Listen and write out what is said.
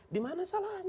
di mana salahnya